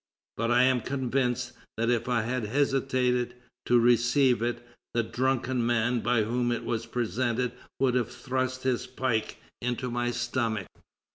But I am convinced that if I had hesitated to receive it, the drunken man by whom it was presented would have thrust his pike into my stomach."